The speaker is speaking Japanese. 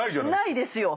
ないですよ！